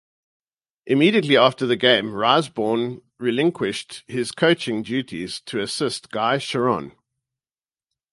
Immediately after the game, Risebrough relinquished his coaching duties to assistant Guy Charron.